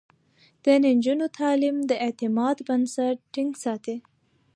د نجونو تعليم د اعتماد بنسټ ټينګ ساتي.